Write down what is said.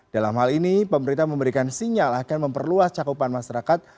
dalam hal ini pemerintah memberikan sinyal akan memperluas cakupan masyarakat